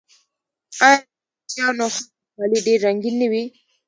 آیا د کوچیانیو ښځو کالي ډیر رنګین نه وي؟